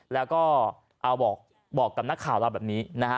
แล้วก็เอาบอกกับนักข่าวเราแบบนี้นะฮะ